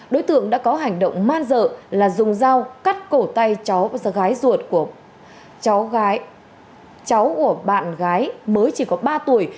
đối tượng đã có hành động man dợ là dùng dao cắt cổ tay cháu và gái ruột của cháu của bạn gái mới chỉ có ba tuổi